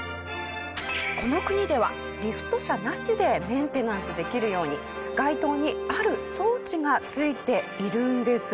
この国ではリフト車なしでメンテナンスできるように街灯にある装置が付いているんです。